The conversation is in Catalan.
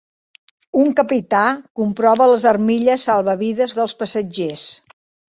Un capità comprova les armilles salvavides dels passatgers.